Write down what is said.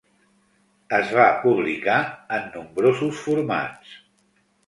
Es va publicar en nombrosos formats.